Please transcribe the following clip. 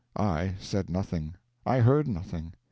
I said nothing; I heard nothing.